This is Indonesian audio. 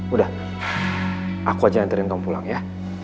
udah aku aja nganterin kamu pulang ya